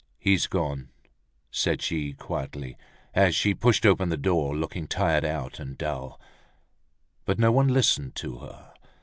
"He's gone," said she, quietly, as she pushed open the door, looking tired out and dull. But no one listened to her.